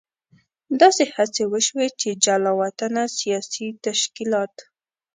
داسې هڅې وشوې چې جلا وطنه سیاسي تشکیلات.